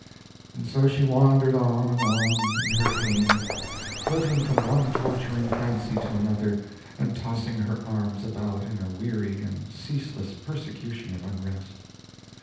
and so she wandered on and on, in her pain, flitting from one torturing fancy to another, and tossing her arms about in a weary and ceaseless persecution of unrest.